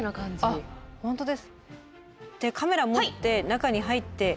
カメラ持って中に入って。